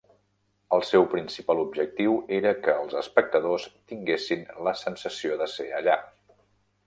El seu principal objectiu era que els espectadors tinguessin la sensació de ser allà.